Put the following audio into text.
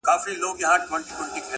حقیقت د وخت په تېرېدو څرګندېږي,